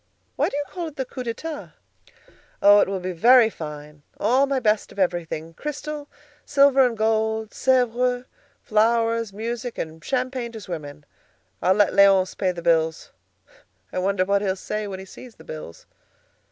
Why do you call it the 'coup d'état?' Oh! it will be very fine; all my best of everything—crystal, silver and gold, Sèvres, flowers, music, and champagne to swim in. I'll let Léonce pay the bills. I wonder what he'll say when he sees the bills."